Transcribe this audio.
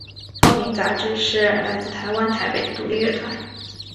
透明杂志是来自台湾台北的独立乐团。